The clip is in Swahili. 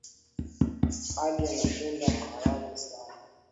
Ali anapenda maharagwe sana.